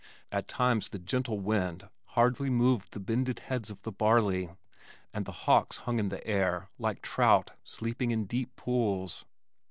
At times the gentle wind hardly moved the bended heads of the barley, and the hawks hung in the air like trout sleeping in deep pools.